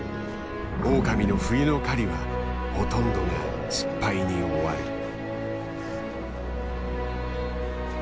オオカミの冬の狩りはほとんどが失敗に終わる。